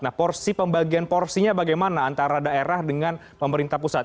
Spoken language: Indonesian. nah porsi pembagian porsinya bagaimana antara daerah dengan pemerintah pusat